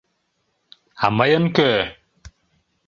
А мыйын кӧ?